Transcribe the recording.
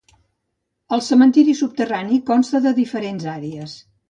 El cementiri subterrani consta de diferents àrees.